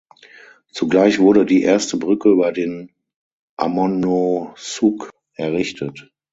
Zugleich wurde die erste Brücke über den Ammonoosuc errichtet.